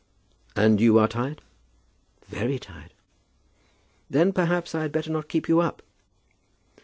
"And you are tired?" "Very tired!" "Then perhaps I had better not keep you up."